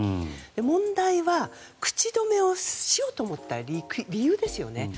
問題は、口止めをしようと思った理由ですよね。